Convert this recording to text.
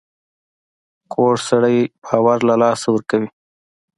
کوږ سړی باور له لاسه ورکوي